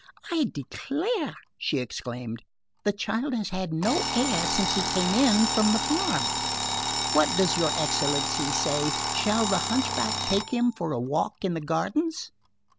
"I declare," she exclaimed, "the child has had no air since he came in from the farm. What does your excellency say? Shall the hunchback take him for a walk in the gardens?"